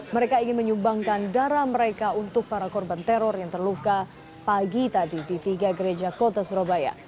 mereka ingin menyumbangkan darah mereka untuk para korban teror yang terluka pagi tadi di tiga gereja kota surabaya